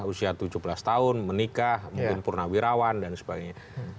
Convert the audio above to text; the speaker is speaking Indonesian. usia tujuh belas tahun menikah mungkin purnawirawan dan sebagainya